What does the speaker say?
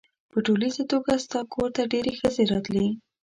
په ټولیزه توګه ستا کور ته ډېرې ښځې راتلې.